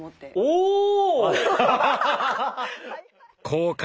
おお！